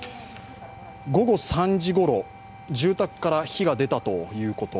午後３時ごろ住宅から火が出たということ。